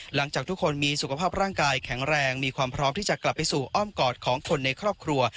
หลังจากทุกคนมีสุขภาพร่างกายแข็งแรงมีความพร้อมที่จะกลับไปสู่อ้อมกอดของคนในครอบครัว